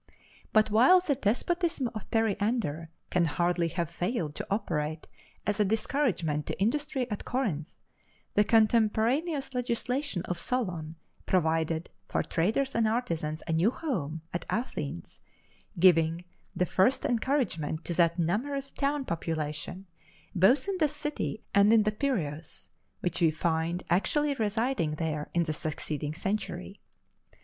But while the despotism of Periander can hardly have failed to operate as a discouragement to industry at Corinth, the contemporaneous legislation of Solon provided for traders and artisans a new home at Athens, giving the first encouragement to that numerous town population both in the city and in the Piræus, which we find actually residing there in the succeeding century.